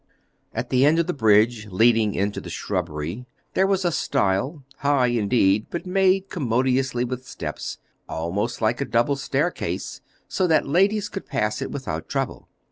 At the end of the bridge leading into the shrubbery there was a stile, high indeed, but made commodiously with steps, almost like a double staircase, so that ladies could pass it without trouble.